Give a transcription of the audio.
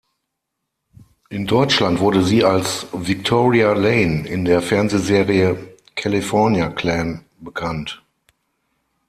In Deutschland wurde sie als "Victoria Lane" in der Fernsehserie "California Clan" bekannt.